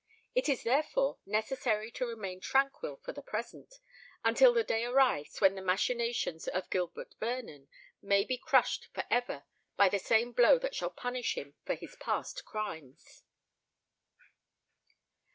It is therefore necessary to remain tranquil for the present, until the day arrives when the machinations of Gilbert Vernon may be crushed for ever by the same blow that shall punish him for his past crimes."